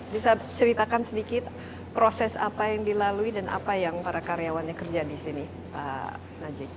bisa ceritakan sedikit proses apa yang dilalui dan apa yang para karyawannya kerja di sini pak najik